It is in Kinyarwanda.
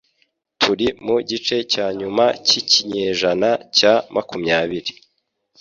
Turi mu gice cya nyuma cyikinyejana cya makumyabiri